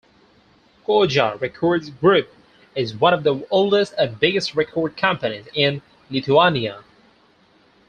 Koja Records Group is one of the oldest and biggest record companies in Lithuania.